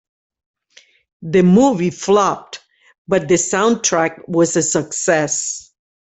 The movie flopped but the soundtrack was a success.